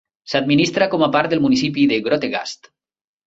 S'administra com a part del municipi de Grootegast.